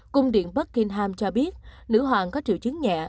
cung điện buckingham cho biết nữ hoàng có triệu chứng nhẹ